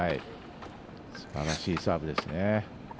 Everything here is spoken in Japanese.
すばらしいサーブですね。